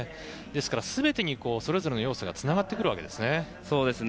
ですから全てにそれぞれの要素がつながってくるんですね。